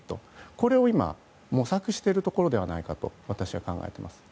これを今模索しているところではないかと考えています。